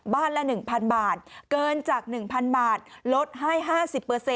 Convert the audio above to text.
บ้านบ้านละ๑๐๐๐บาทเกินจาก๑๐๐๐บาทลดให้๕๐